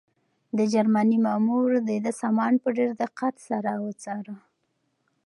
د جرمني مامور د ده سامان په ډېر دقت سره وڅاره.